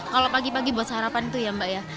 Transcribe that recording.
kalau pagi pagi buat sarapan itu ya mbak ya